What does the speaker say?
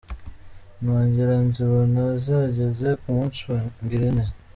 Nongera nzibona zageze ku munsi wa ngirente.